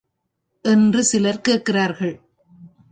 என்று சிலர் கேட்கிறார்கள்.